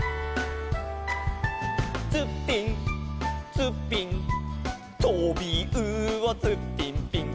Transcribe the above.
「ツッピンツッピン」「とびうおツッピンピン」